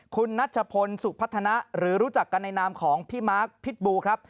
คุณนัชพลสุพัฒนะหรือรู้จักกันในนามของพี่มาร์คพิษบูครับ